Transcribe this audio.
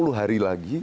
sepuluh hari lagi